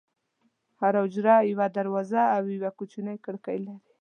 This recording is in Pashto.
هره حجره یوه دروازه او یوه کوچنۍ کړکۍ لري.